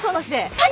はい！